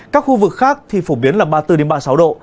các khu vực khác thì phổ biến là ba mươi bốn ba mươi sáu độ